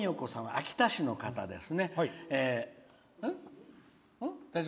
秋田市の方です。